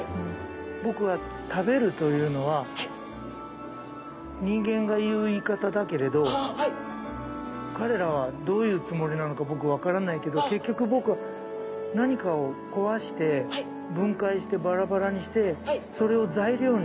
僕は食べるというのは人間が言う言い方だけれど彼らはどういうつもりなのか僕分からないけど結局僕は何かを壊して分解してバラバラにしてそれを材料にして何か新しいものをつくっているんですよね。